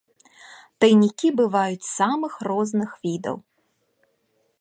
Тайнікі бываюць самых розных відаў.